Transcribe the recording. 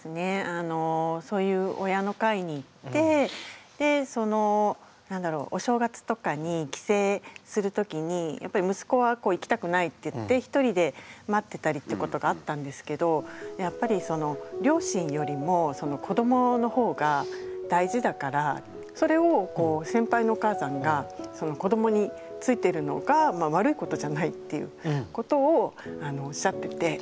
あのそういう親の会に行ってでその何だろうお正月とかに帰省する時にやっぱり息子はこう行きたくないって言って一人で待ってたりってことがあったんですけどやっぱり両親よりも子どものほうが大事だからそれをこう先輩のお母さんが子どもについてるのが悪いことじゃないっていうことをおっしゃってて。